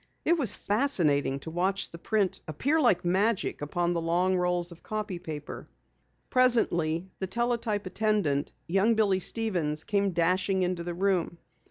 It was fascinating to watch the print appear like magic upon the long rolls of copy paper. Presently, the teletype attendant, young Billy Stevens, came dashing into the room.